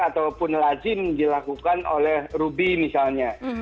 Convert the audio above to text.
ataupun lazim dilakukan oleh ruby misalnya